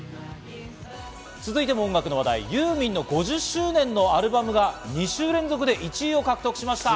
続いても音楽の話題、ユーミンの５０周年のアルバムが２週連続で１位を獲得しました。